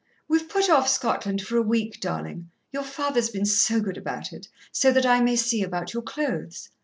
"We've put off Scotland for a week, darling your father's been so good about it so that I may see about your clothes.